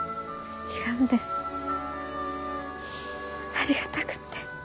ありがたくって。